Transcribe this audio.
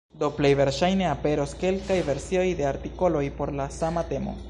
Do, plej verŝajne aperos kelkaj versioj de artikoloj por la sama temo.